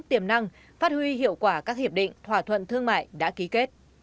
tiềm năng phát huy hiệu quả các hiệp định thỏa thuận thương mại đã ký kết